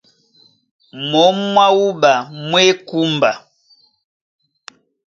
Mǒm mwá wúɓa mú e kúmba.